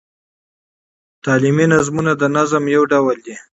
تعلیمي نظمونه د نظم یو ډول دﺉ.